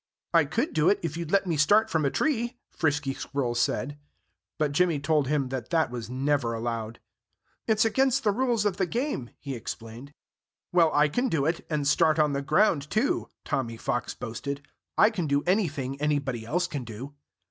"I could do it, if you'd let me start from a tree," Frisky Squirrel said. But Jimmy told him that that was never allowed. "It's against the rules of the game," he explained. "Well, I can do it, and start on the ground, too," Tommy Fox boasted. "I can do anything anybody else can do."